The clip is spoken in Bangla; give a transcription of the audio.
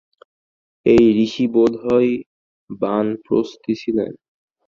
এই ঋষি বোধ হয় বানপ্রস্থী ছিলেন।